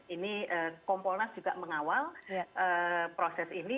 ini kompolnas juga mengawal proses ini